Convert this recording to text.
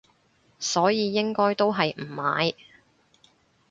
所以應該都係唔買